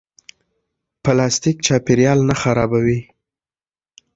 پلاستیک چاپیریال نه خرابوي